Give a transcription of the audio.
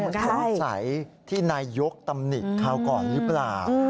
ตกใจที่นายกตำหนิกข่าวก่อนหรือเปล่า